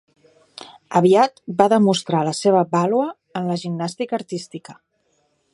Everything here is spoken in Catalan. Aviat va demostrar la seva vàlua en la gimnàstica artística.